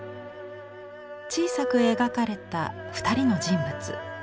小さく描かれた２人の人物。